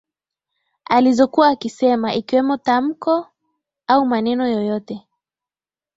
Alizokuwa akisema ikiwemo tamko au maneno yoyote